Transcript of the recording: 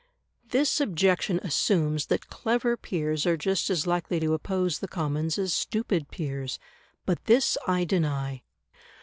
This objection assumes that clever peers are just as likely to oppose the Commons as stupid peers. But this I deny.